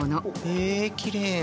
へえきれい。